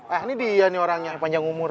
ah ini dia nih orang yang panjang umur